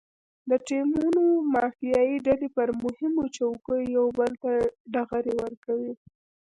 د ټیمونو مافیایي ډلې پر مهمو چوکیو یو بل ته ډغرې ورکوي.